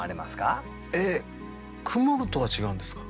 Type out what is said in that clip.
えっ「曇る」とは違うんですか？